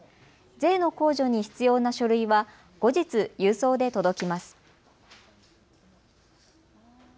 税の控除に必要な書類は後日、郵送で届きます。